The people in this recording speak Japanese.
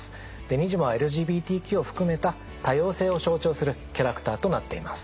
「にじモ」はＬＧＢＴＱを含めた多様性を象徴するキャラクターとなっています。